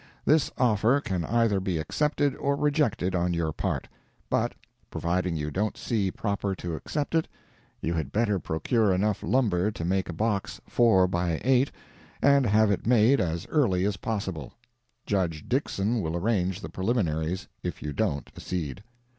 This offer can either be accepted or rejected on your part: but, providing you don't see proper to accept it, you had better procure enough lumber to make a box 4 x 8, and have it made as early as possible. Judge Dixson will arrange the preliminaries, if you don't accede.